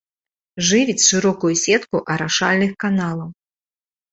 Жывіць шырокую сетку арашальных каналаў.